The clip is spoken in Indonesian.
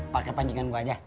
pakai pancingan gua aja